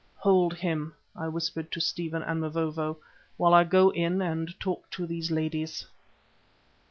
"Hold him," I whispered to Stephen and Mavovo, "while I go in and talk to these ladies."